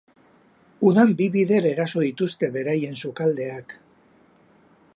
Udan bi bider eraso dituzte beraien sukaldeak.